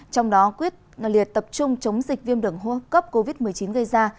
trong đó quyết liệt tập trung chống dịch viêm đẩn hô cấp covid một mươi chín gây ra